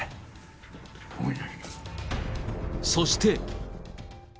そして。